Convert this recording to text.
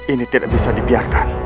ini tidak bisa dibiarkan